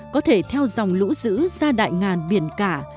có thể theo dòng lũ dữ ra đại ngàn biển cả